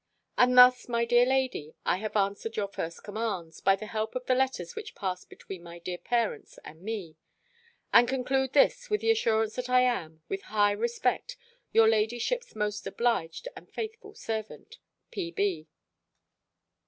And thus, my dear lady, I have answered your first commands, by the help of the letters which passed between my dear parents and me; and conclude this with the assurance that I am, with high respect, your ladyship's most obliged and faithful servant, P.B.